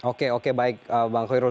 oke oke baik bang khoirul